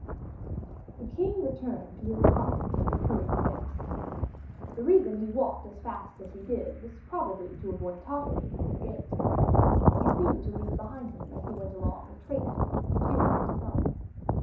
The king returned to his apartments with hurried steps. The reason he walked as fast as he did was probably to avoid tottering in his gait. He seemed to leave behind him as he went along a trace of a mysterious sorrow.